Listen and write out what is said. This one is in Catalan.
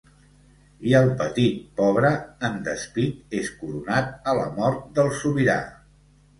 I el petit pobre, en despit, és coronat a la mort del sobirà.